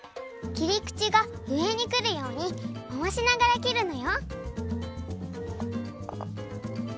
きりくちがうえにくるようにまわしながらきるのよ。